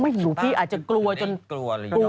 ไม่หิวพี่อาจจะกลัวจนกลัว